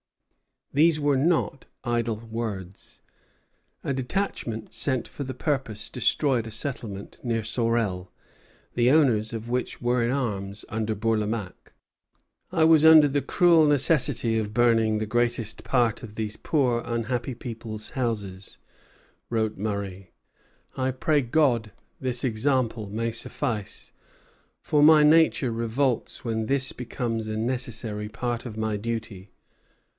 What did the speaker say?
These were not idle words. A detachment sent for the purpose destroyed a settlement near Sorel, the owners of which were in arms under Bourlamaque. "I was under the cruel necessity of burning the greatest part of these poor unhappy people's houses," wrote Murray. "I pray God this example may suffice, for my nature revolts when this becomes a necessary part of my duty."